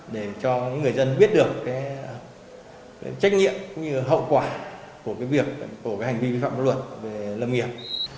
để cho người dân biết được trách nhiệm hậu quả của hành vi vi phạm luật về lâm nghiệp